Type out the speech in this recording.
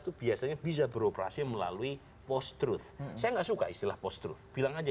itu biasanya bisa beroperasi melalui post truth saya enggak suka istilah post truth bilang aja